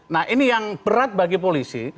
nah ini yang berat bagi polisi